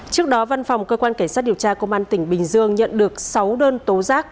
trước đó văn phòng cơ quan cảnh sát điều tra công an tỉnh bình dương nhận được sáu đơn tố giác